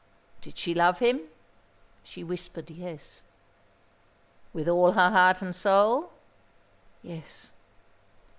Did she love him? She whispered yes. With all her heart and soul? Yes.